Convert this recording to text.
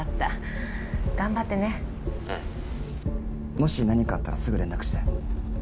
もし何かあったらすぐ連絡して。